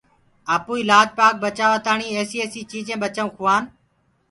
آپوئيٚ لآج بچآوآ تآڻيٚ ايسيٚ ايسيٚ چيٚجينٚ ٻچآئونٚ کُوآن۔